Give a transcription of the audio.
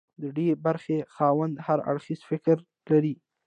د ډي برخې خاوند هر اړخیز فکر لري.